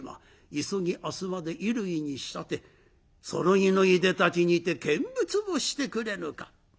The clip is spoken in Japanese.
急ぎ明日まで衣類に仕立てそろいのいでたちにて見物をしてくれぬか」。